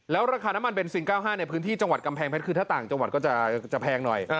แล้วราคาน้ำมันเบนซิน๙๕ในพื้นที่จังหวัดกำแพงเพชรคือถ้าต่างจังหวัดก็จะแพงหน่อย